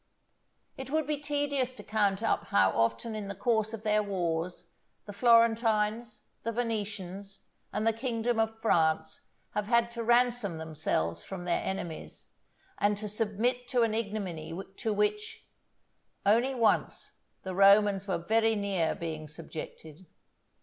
It would be tedious to count up how often in the course of their wars, the Florentines, the Venetians, and the kingdom of France have had to ransom themselves from their enemies, and to submit to an ignominy to which, once only, the Romans were very near being subjected.